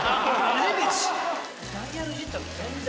ダイヤルいじったって全然。